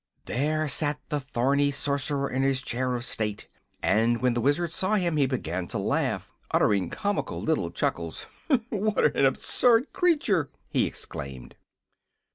There sat the thorny Sorcerer in his chair of state, and when the Wizard saw him he began to laugh, uttering comical little chuckles. "What an absurd creature!" he exclaimed.